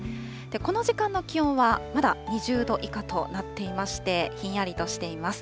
この時間の気温はまだ２０度以下となっていまして、ひんやりとしています。